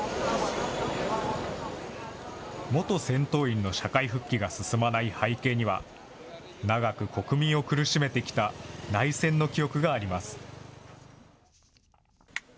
元戦闘員の社会復帰が進まない背景には、長く国民を苦しめてきた内戦の記憶があります。